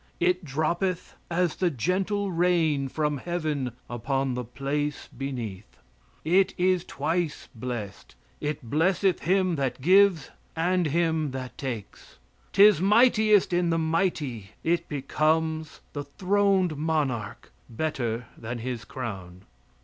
It droppeth as the gentle rain from heaven Upon the place beneath. It is twice blessed: It blesseth him that gives and him that takes; 'Tis mightiest in the mighty; It becomes the throned monarch better this his crown.